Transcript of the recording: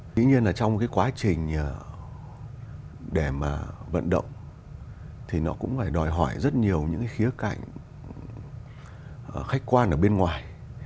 tuy nhiên trong quá trình vận động thì nó cũng phải đòi hỏi rất nhiều những khía cạnh khách quan ở bên ngoài